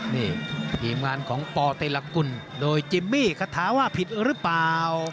นี่ทีมงานของปเตรกุลโดยจิมมี่คาถาว่าผิดหรือเปล่า